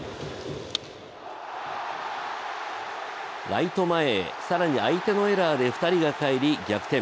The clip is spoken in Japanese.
ライト前へ、更に相手のエラーで２人が帰り、逆転。